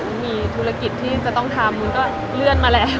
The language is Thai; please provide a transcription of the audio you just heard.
มีธุรกิจที่จะต้องทำมันก็เลื่อนมาแล้ว